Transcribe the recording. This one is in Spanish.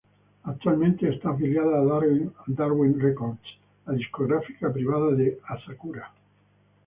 Actualmente está afiliada a Darwin Records, la discográfica privada de Asakura.